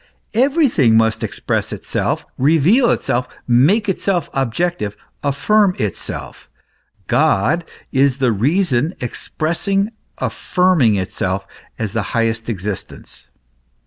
Everything must express itself, reveal itself, make itself objective, affirm itself. God is the reason expressing, affirming itself as the highest existence.